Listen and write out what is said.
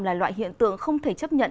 là loại hiện tượng không thể chấp nhận